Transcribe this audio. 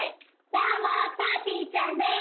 どうもぱーてぃーちゃんです。